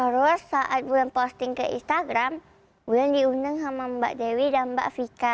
terus saat bulan posting ke instagram bulan diundang sama mbak dewi dan mbak vika